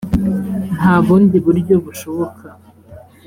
nta bundi buryo bushoboka